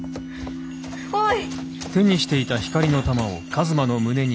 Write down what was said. おい！